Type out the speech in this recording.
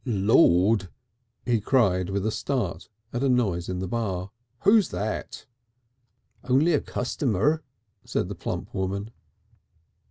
"Lord!" he cried with a start at a noise in the bar, "who's that?" "Only a customer," said the plump woman.